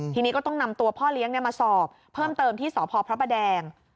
ทีนี้ก็ต้องนำตัวพ่อเลี้ยงมาสอบเพิ่มเติมที่สพพระประแดง